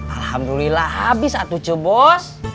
alhamdulillah abis atuh cu bos